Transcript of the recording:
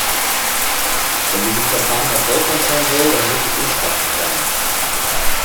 Wenn dieses Verfahren erfolgreich sein soll, dann muss es umfassend sein.